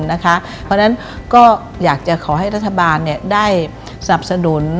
เพราะฉะนั้นก็อยากจะขอให้รัฐบาลได้สนับสนุน